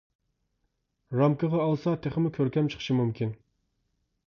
رامكىغا ئالسا تېخىمۇ كۆركەم چىقىشى مۇمكىن.